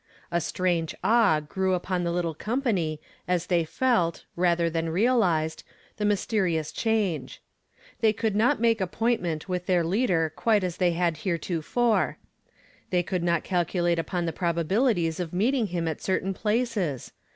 A strange awe grew upon the little company as they ieltj, rather tli^n realized, the mysterious change. They could not irmke appointment with their Leader quite as they had heretofore ; they could not calculate upon the probabilities of meet ing him at certain places.